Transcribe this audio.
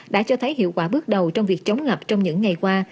đã cho thấy hiệu quả bước đầu trong việc chống ngập trong những ngày qua